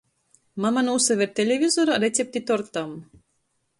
Mama nūsaver televizorā recepti tortam.